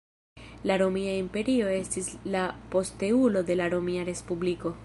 La romia imperio estis la posteulo de la Romia Respubliko.